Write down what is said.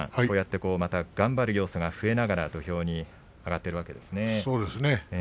こうやってまた頑張る要素が増えながら土俵に上がっているわけですね。